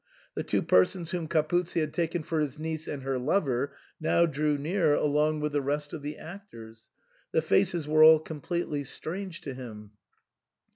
The two persons whom Capuzzi had taken for his niece and her lover now drew near, along with the rest of the actors. The faces were all completely strange to him.